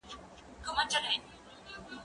زه بايد شګه پاک کړم